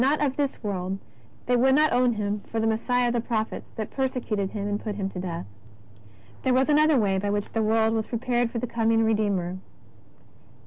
35 not of this world, they would not own Him for the Messiah of the prophets, but persecuted Him and put Him to death. There was another way by which the world was pre pared for the coming Redeemer.